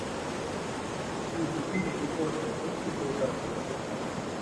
He was defeated and forced to flee to Bordeaux.